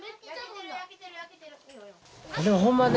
でもほんまね